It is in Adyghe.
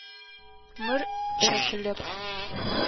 Мыр чэтылэп.